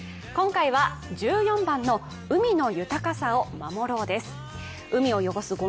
今回は１４番の海の豊かさを守ろうです。